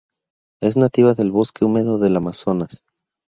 Es nativa del bosque húmedo del Amazonas.